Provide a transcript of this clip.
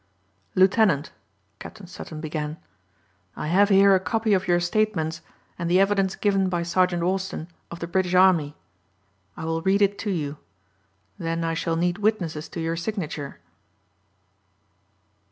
"Lieutenant," Captain Sutton began, "I have here a copy of your statements and the evidence given by Sergeant Austin of the British army. I will read it to you. Then I shall need witnesses to your signature."